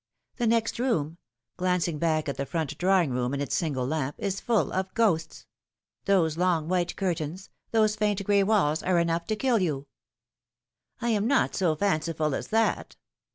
The next room," glancing back at the front drawing room and its single lamp, " is full of ghosts. Those long white curtains, those faint gray walls, are enough to kill you." " I am not so fanciful as that."